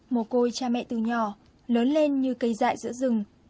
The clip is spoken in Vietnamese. một cô ấy cha mẹ từ nhỏ lớn lên như cây dại giữa rừng